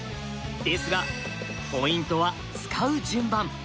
ですがポイントは使う順番。